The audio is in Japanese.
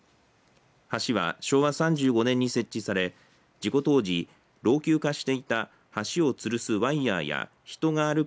橋は昭和３５年に設置され事故当時、老朽化していた橋をつるすワイヤーや人が歩く